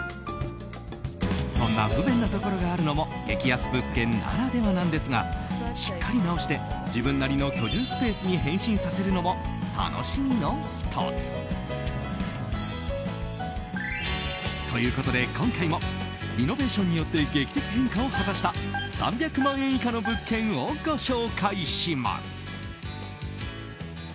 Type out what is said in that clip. そんな不便なところがあるのも激安物件ならではなんですがしっかり直して自分なりの居住スペースに変身させるのも楽しみの１つ。ということで今回もリノベーションによって劇的変化を果たした３００万円以下の物件をご紹介します。